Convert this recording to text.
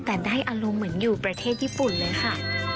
แต่ได้อารมณ์เหมือนอยู่ประเทศญี่ปุ่นเลยค่ะ